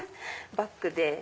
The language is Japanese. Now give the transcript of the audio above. バッグで。